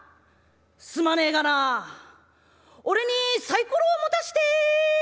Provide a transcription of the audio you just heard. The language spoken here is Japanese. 「すまねえがな俺にサイコロを持たしてくんねえかい？」。